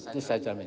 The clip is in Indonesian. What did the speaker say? itu saya jamin